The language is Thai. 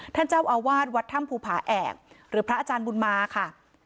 ท่านเจ้าอาวาสวัดถ้ำภูผาแอกหรือพระอาจารย์บุญมาค่ะ